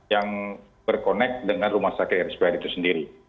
yang berkonek dengan rumah sakit rspr itu sendiri